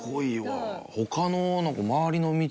他の。